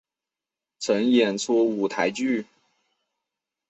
曾演出舞台剧。